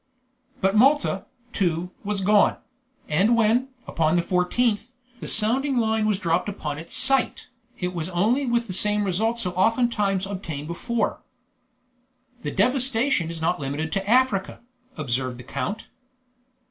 But Malta, too, was gone; and when, upon the 14th, the sounding line was dropped upon its site, it was only with the same result so oftentimes obtained before. "The devastation is not limited to Africa," observed the count.